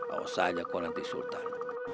oh saja kau nanti sultan